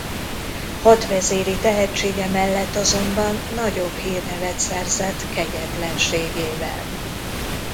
Hadvezéri tehetsége mellett azonban nagyobb hírnevet szerzett kegyetlenségével.